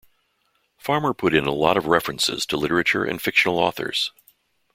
Farmer put in a lot of references to literature and fictional authors...